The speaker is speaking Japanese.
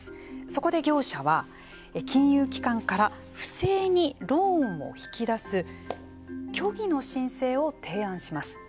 そこで業者は、金融機関から不正にローンを引き出す虚偽の申請を提案します。